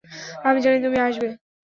আমি জানি তুমি আসবে।